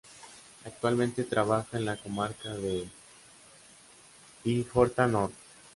Actualmente trabaja en la comarca de l'Horta Nord.